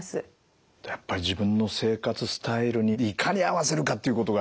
やっぱり自分の生活スタイルにいかに合わせるかっていうことが。